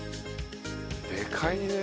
でかいねえ。